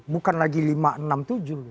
bukan lagi lima enam tujuh